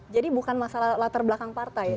jadi bukan masalah latar belakang partai